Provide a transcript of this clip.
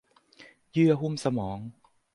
เยื่อหุ้มสมอง